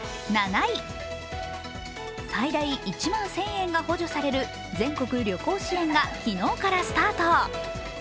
最大１万１０００円が補助される全国旅行支援が昨日からスタート。